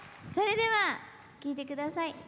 それでは聴いてください。